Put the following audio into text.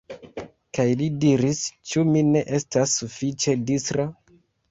Kaj li diris: "Ĉu mi ne estas sufiĉe distra?